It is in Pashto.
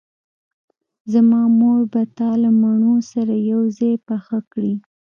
زما مور به تا له مڼو سره یوځای پاخه کړي